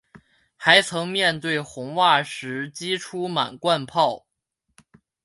还曾面对红袜时击出满贯炮。